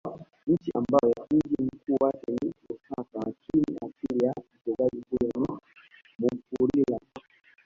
Nchi ambayo mji mkuu wake ni Lusaka lakini asili ya mchezaji huyo ni Mufulira